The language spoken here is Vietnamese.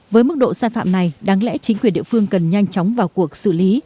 với mức độ sai phạm này đáng lẽ chính quyền địa phương cần nhanh chóng vào cuộc xử lý